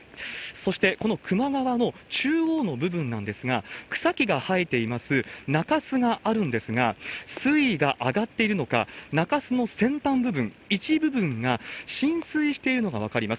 そして、この球磨川の中央の部分なんですが、草木が生えています中洲があるんですが、水位が上がっているのか、中洲の先端部分、一部分が浸水しているのが分かります。